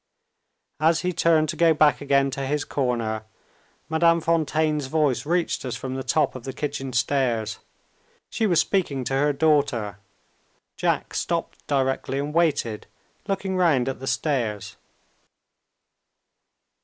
As he turned to go back again to his corner, Madame Fontaine's voice reached us from the top of the kitchen stairs. She was speaking to her daughter. Jack stopped directly and waited, looking round at the stairs.